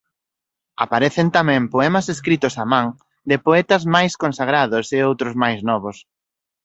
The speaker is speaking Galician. Aparecen tamén poemas escritos a man, de poetas máis consagrados e outros máis novos.